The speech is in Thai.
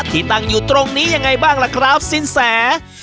ที่ตั้งอยู่ตรงนี้ยังไงบ้างล่ะครับสินแส